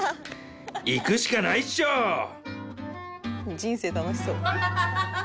「人生楽しそう」